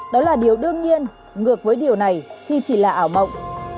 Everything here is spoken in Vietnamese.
đó là điều đương nhiên ngược với điều này khi chỉ là ảo mộng